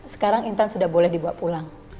sekarang intan sudah boleh dibawa pulang